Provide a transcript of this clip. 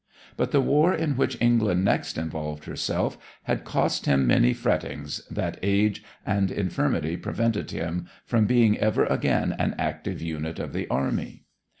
But the war in which England next involved herself had cost him many frettings that age and infirmity prevented him from being ever again an active unit of the army.